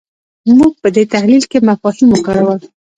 موږ په دې تحلیل کې مفاهیم وکارول.